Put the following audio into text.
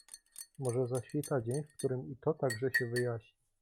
"Może zaświta dzień, w którym i to także się wyjaśni."